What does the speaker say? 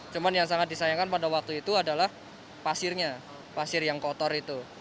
cuma yang sangat disayangkan pada waktu itu adalah pasirnya pasir yang kotor itu